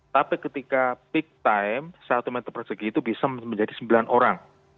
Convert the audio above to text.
tapi ketika peak time satu meter persegi itu bisa menjadi sembilan orang